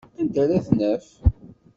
Anda ara t-naf?